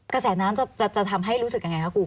กระแสน้ำจะทำให้รู้สึกยังไงคะครู